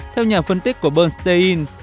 theo nhà phân tích của bernstein